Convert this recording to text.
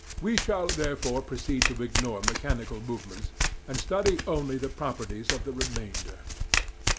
We shall, therefore, proceed to ignore mechanical movements, and study only the properties of the remainder.